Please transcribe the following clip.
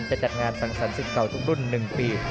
จะจัดงานสรรค์สรรค์๑๙ทุกรุ่น๑ปี